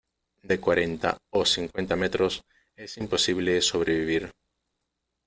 de cuarenta o cincuenta metros, es imposible sobrevivir.